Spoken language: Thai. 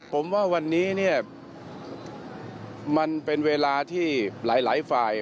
ผมว่าวันนี้เนี่ยมันเป็นเวลาที่หลายฝ่าย